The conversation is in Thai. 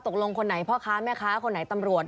คนไหนพ่อค้าแม่ค้าคนไหนตำรวจ